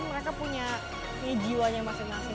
mereka punya jiwanya masing masing